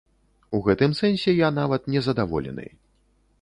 У гэтым сэнсе я нават незадаволены.